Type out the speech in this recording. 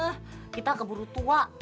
eh kita keburu tua